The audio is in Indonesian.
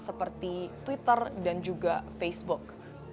seperti twitter dan juga facebook